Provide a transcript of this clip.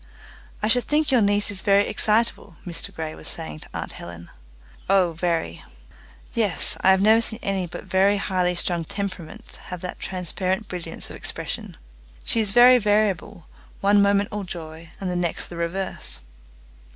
"I should think your niece is very excitable," Mr Grey was saying to aunt Helen. "Oh, very." "Yes; I have never seen any but very highly strung temperaments have that transparent brilliance of expression." "She is very variable one moment all joy, and the next the reverse."